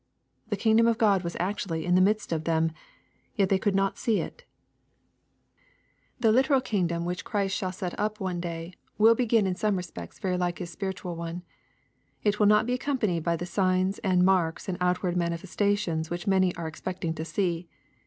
The kingdom of God was actually in the midst of them 1 Yet they could not see it ! The literal kingdom which Christ shall set up one day 238 EXPOSITORY THOUGHTS. will begin in some respects very like His spiritual ona It will not be acconipanied by the signs, and marks, and outward manifestations which many are expecting to see.